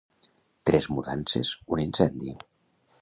Tres mudances, un incendi.